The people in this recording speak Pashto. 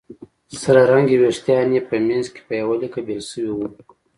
سره رنګي وېښتان یې په منځ کې په يوه ليکه بېل شوي وو